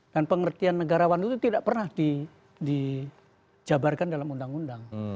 dan pengertian negarawan itu tidak pernah dijabarkan dalam undang undang